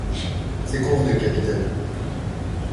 C’est convenu, capitaine.